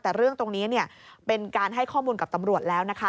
แต่เรื่องตรงนี้เป็นการให้ข้อมูลกับตำรวจแล้วนะคะ